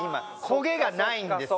コゲがないんですよ。